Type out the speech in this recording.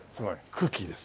クーキーです。